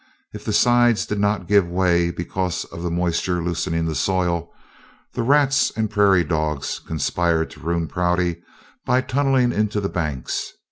If the sides did not give way because of the moisture loosening the soil, the rats and prairie dogs conspired to ruin Prouty by tunneling into the banks.